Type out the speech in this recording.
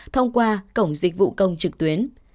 thông qua cổng dịch vụ công trực tuyến